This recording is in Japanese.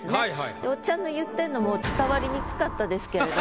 でおっちゃんの言ってんのも伝わりにくかったですけれども。